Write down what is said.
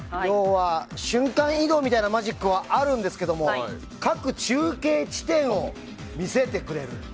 要は瞬間移動みたいなマジックはあるんですけど各中継地点を見せてくれる。